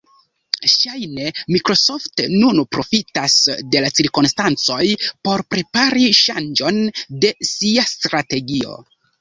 Ŝajne Microsoft nun profitas de la cirkonstancoj por prepari ŝanĝon de sia strategio.